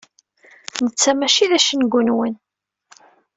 Netta mačči d acengu-nwen.